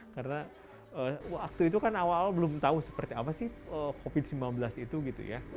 karena waktu itu kan awal belum tahu seperti apa sih covid sembilan belas itu